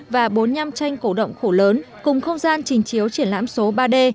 và bốn mươi năm tranh cổ động khổ lớn cùng không gian trình chiếu triển lãm số ba d